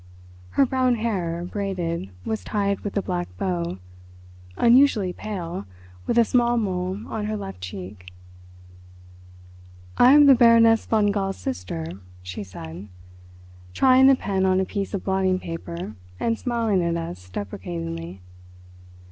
Her brown hair, braided, was tied with a black bow—unusually pale, with a small mole on her left cheek. "I am the Baroness von Gall's sister," she said, trying the pen on a piece of blotting paper, and smiling at us deprecatingly.